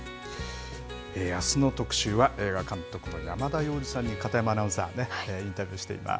あすの特集は、映画監督の山田洋次監督に、片山アナウンサー、インタビューしています。